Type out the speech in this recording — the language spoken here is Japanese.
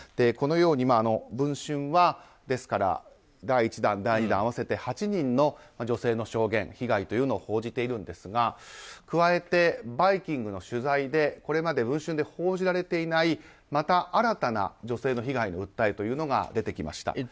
このように「文春」は第１弾、第２弾合わせて８人の女性の証言被害というのを報じているんですが加えて、「バイキング」の取材でこれまで「文春」で報じられていないまた新たな女性の被害の訴えが出てきました。